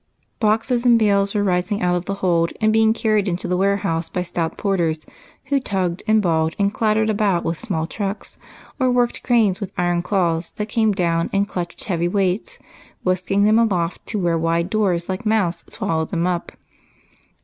Boxes and bales were rising out of the hold and being carried into the warehouse by stout porters, who tugged and bawled and clattered about with small trucks, or worked cranes w4th iron claws that came down and clutched heavy weights, whisking them aloft to where wide doors like mouths swallowed them ujD. Dr.